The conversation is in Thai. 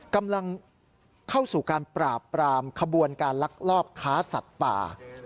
กำลังเข้าสู่การปราบปรามขบวนการลักลอบค้าสัตว์ป่า